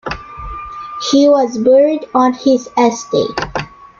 He was buried on his estate.